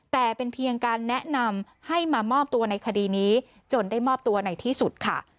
แต่เป็นเพียงการแนะนำให้มามอบตัวในคดีนี้จนได้มอบตัวในที่สุดค่ะ